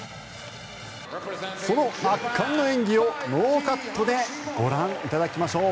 その圧巻の演技をノーカットでご覧いただきましょう。